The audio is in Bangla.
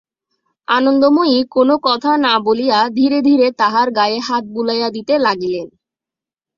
আনন্দময়ী কোনো কথা না বলিয়া ধীরে ধীরে তাহার গায়ে হাত বুলাইয়া দিতে লাগিলেন।